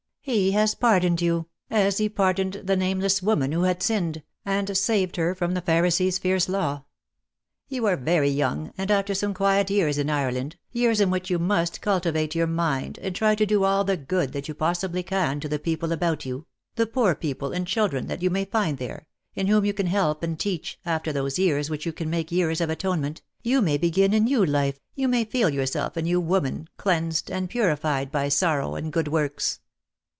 He has pardoned you, as He pardoned the nameless woman who had 46 DEAD LOVE HAS CHAINS. sinned, and saved her from the Pharisees* fierce law. You are very young — and after some quiet years in Ireland, years in which you must cultivate your mind, and try to do all the good that you possibly can to the people about you — the poor people and children that you may find there, and whom you can help and teach — after those years, which you can make years of atonement, you may begin a new life, you may feel yourself a new woman, cleansed and purified by sorrow and good works."